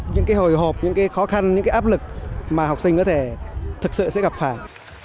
những cái hồi hộp những cái khó khăn những cái áp lực mà học sinh có thể thực sự sẽ gặp phải